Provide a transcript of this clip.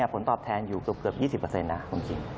ผลตอบแทนอยู่เกือบ๒๐นะคุณคิง